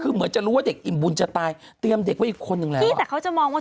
ซื้ออุปกรณ์วัดไข้เมื่อสองสามเดือนที่ผ่านมาเรื่องนี้มันเพิ่งโปะแตกนะเรื่องนี้มันเพิ่งโปะแตกตอนโควิดนะ